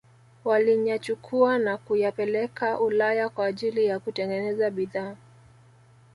waliyachukua na kuyapeleka Ulaya kwa ajili ya kutengeneza bidhaa